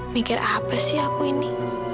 mikir apa sih aku ini